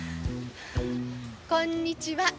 こんにちは。